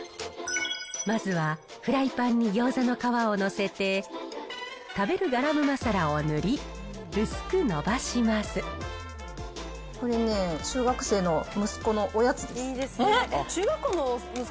まずはフライパンに餃子の皮を載せて、食べるガラムマサラを塗り、これね、中学生の息子のおやつです。